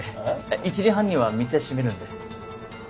１時半には店閉めるんで。